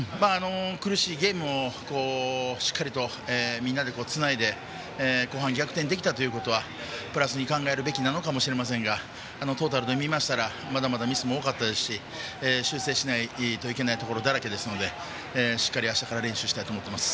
苦しいゲームをしっかりみんなでつないで後半逆転できたということはプラスに考えるべきかと思いますがトータルで見ましたらまだまだミスも多かったですし修正しないといけないところだらけなのでしっかり、あしたから練習したいと思います。